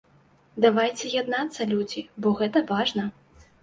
Давайце яднацца, людзі, бо гэта важна.